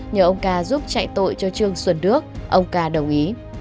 nhờ ông ca giúp chạy tội cho trương xuân đức ông ca đồng ý